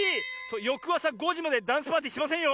よくあさ５じまでダンスパーティーしませんよ！